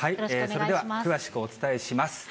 それでは詳しくお伝えします。